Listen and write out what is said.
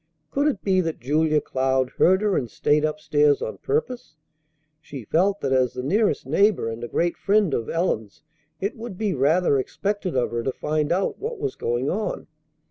Could it be that Julia Cloud heard her and stayed up stairs on purpose? She felt that as the nearest neighbor and a great friend, of Ellen's it would be rather expected of her to find out what was going on.